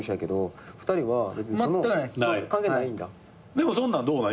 でもそんなんどうなん？